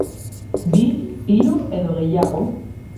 Bi, hiru edo gehiago?